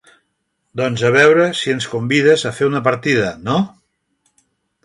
Doncs a veure si ens convides a fer una partida, no?